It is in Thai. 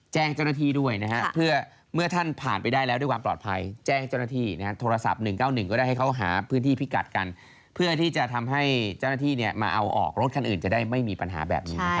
แจ้งเจ้าหน้าที่ด้วยนะครับ